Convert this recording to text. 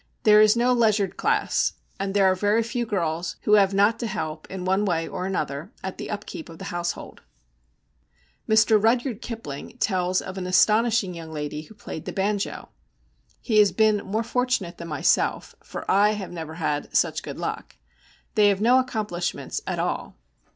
There is no leisured class, and there are very few girls who have not to help, in one way or another, at the upkeep of the household. Mr. Rudyard Kipling tells of an astonishing young lady who played the banjo. He has been more fortunate than myself, for I have never had such good luck. They have no accomplishments at all.